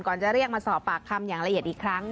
จะเรียกมาสอบปากคำอย่างละเอียดอีกครั้ง